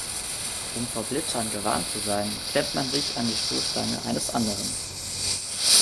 Um vor Blitzern gewarnt zu sein, klemmt man sich an die Stoßstange eines anderen.